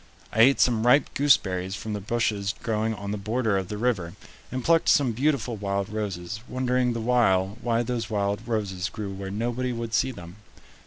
I ate some ripe gooseberries from the bushes growing on the border of the river, and plucked some beautiful wild roses, wondering the while why those wild roses grew where nobody would see them.